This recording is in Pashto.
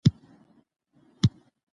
هغه وخت مې ښه ياد دي.